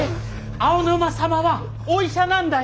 青沼様はお医者なんだよ！